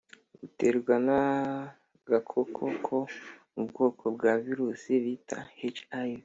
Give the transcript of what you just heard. buterwa n’agakoko ko mu bwoko bwa virusi bita hiv